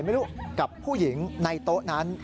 ไม่รู้กับผู้หญิงในโต๊ะนั้น